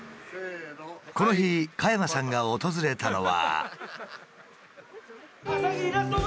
この日加山さんが訪れたのは。